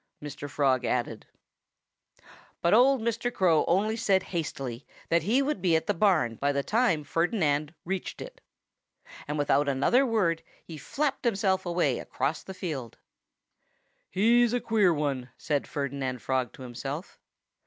Mr. Frog added. But old Mr. Crow only said hastily that he would be at the barn by the time Ferdinand reached it. And without another word he flapped himself away across the field. "He's a queer one," said Ferdinand Frog to himself.